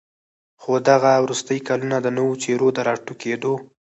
خو دغه وروستي كلونه د نوو څېرو د راټوكېدو